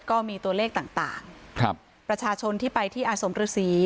ก็มีตัวเลขต่างครับประชาชนที่ไปที่อาสมฤษี